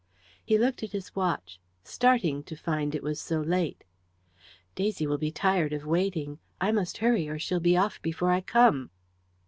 He looked at his watch, starting to find it was so late. "Daisy will be tired of waiting. I must hurry, or she'll be off before I come."